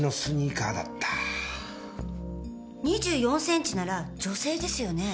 ２４センチなら女性ですよね？